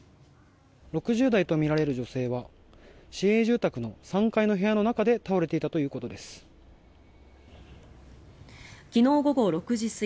６０代とみられる女性は市営住宅の３階の部屋の中で倒れていたということです。